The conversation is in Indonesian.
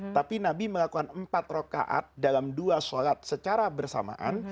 tapi nabi melakukan empat rokaat dalam dua sholat secara bersamaan